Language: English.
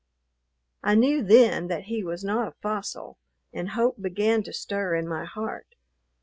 I knew then that he was not a fossil, and hope began to stir in my heart.